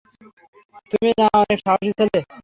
তুমি না অনেক সাহসী ছেলে?